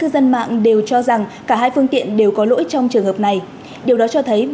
tại các vùng trên nước